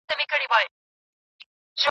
د بریا چانس یوازي مستحقو ته نه سي ورکول کېدلای.